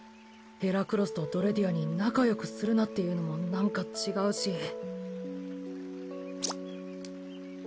ヘラクロスとドレディアに仲よくするなって言うのもなんか違うし。